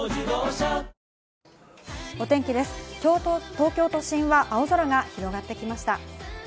東京都心は青空が広がってきました。